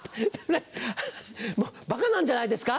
もうバカなんじゃないですか？